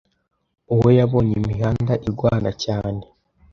Uwo yabonye imihanda irwana cyane